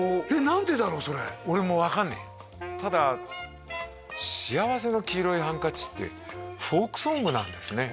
何でだろうそれ俺も分かんねえただ「幸福の黄色いハンカチ」ってフォークソングなんですね